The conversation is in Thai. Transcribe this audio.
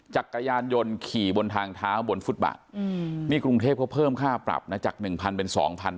จักรยานยนต์ขี่บนทางเท้าบนฟุตบาทนี่กรุงเทพเขาเพิ่มค่าปรับนะจาก๑๐๐เป็น๒๐๐